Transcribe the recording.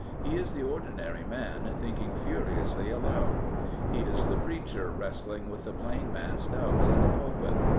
He is the ordinary man thinking furiously aloud. He is the preacher wrestling with the plain man's doubts in the pulpit.